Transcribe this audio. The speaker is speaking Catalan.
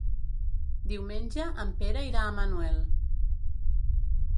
Diumenge en Pere irà a Manuel.